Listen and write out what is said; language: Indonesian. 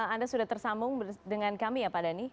anda sudah tersambung dengan kami ya pak dhani